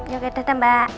yaudah datang mbak